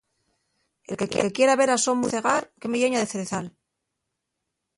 El que quiera ver a so muyer cegar, queme lleña de zrezal.